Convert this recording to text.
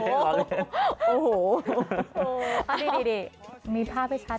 โอ้โหอันนี้ดีมีภาพให้ชัด